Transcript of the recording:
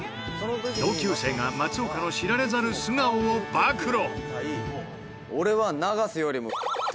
同級生が松岡の知られざる素顔を暴露！